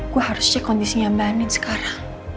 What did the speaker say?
gue harus cek kondisinya mbak nin sekarang